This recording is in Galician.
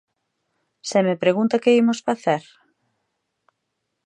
¿Se me pregunta que imos facer?